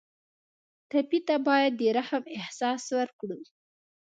ټپي ته باید د رحم احساس ورکړو.